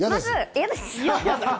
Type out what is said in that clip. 嫌です？